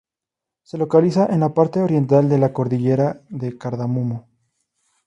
Se localiza en la parte oriental de la Cordillera de cardamomo.